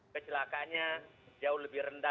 kesilakannya jauh lebih rendah